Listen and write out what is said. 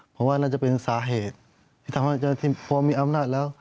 เพราะว่าน่าจะเป็นสาเหตุที่ทำให้จะพอมีอำนาจแล้ว